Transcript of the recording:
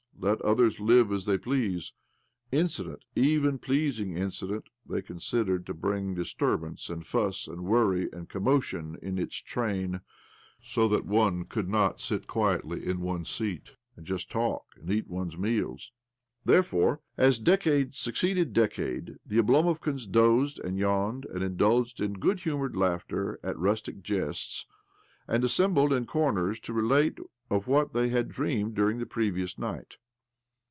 Let others live as they please." Incident even pleasing incident— they considered to bring disturbance and fuss and worry and І38 OBLOMOV commotion in its train, so that one could not sit quietly in one's seat and just talk and eat one's meals. Therefore,, as decade succeeded decade, the Oblomovkans dozed and yawned, and indulged in good humoured laughter at rustic jests, and assembled in corners to relate of what they had dreamed during the previous night.